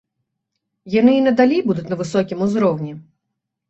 Яны і надалей будуць на высокім узроўні.